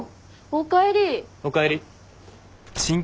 おかえり。